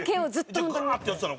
山崎：ガーッてやってたの？